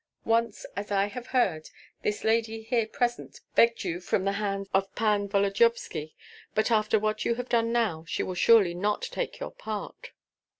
Once, as I have heard, this lady here present begged you from the hands of Pan Volodyovski; but after what you have done now, she will surely not take your part."